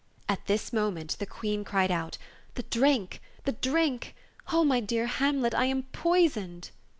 At this moment the Queen cried out, "The drink, the drink ! Oh, my dear Hamlet! I am poisoned!"